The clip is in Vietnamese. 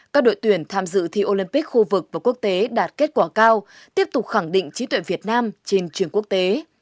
các đội tuyển tham dự thi olympic khu vực và quốc tế đạt kết quả cao tiếp tục khẳng định trí tuệ việt nam trên trường quốc tế